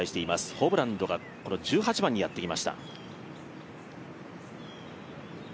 ホブランドが１８番にやってきました。